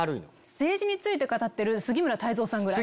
政治について語ってる杉村太蔵さんぐらい。